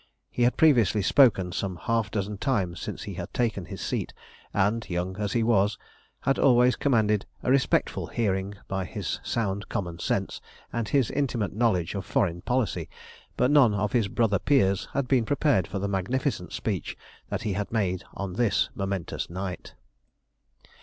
He had previously spoken some half dozen times since he had taken his seat, and, young as he was, had always commanded a respectful hearing by his sound common sense and his intimate knowledge of foreign policy, but none of his brother peers had been prepared for the magnificent speech that he had made on this momentous night.